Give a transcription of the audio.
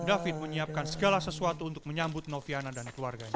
david menyiapkan segala sesuatu untuk menyambut noviana dan keluarganya